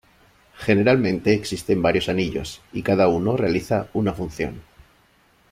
Generalmente existen varios anillos y cada uno realiza una función.